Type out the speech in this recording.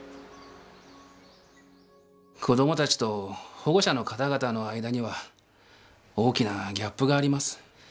子どもたちと保護者の方々の間には大きなギャップがあります。